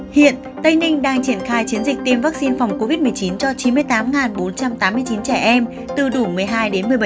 hiện tây ninh đang triển khai chiến dịch tiêm vaccine phòng covid một mươi chín cho chín mươi tám bốn trăm tám mươi chín trẻ em từ đủ một mươi hai đến một mươi bảy